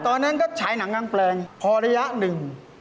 ตอนนั้นก็ฉายหนังกลางแปลงพอระยะหนึ่ง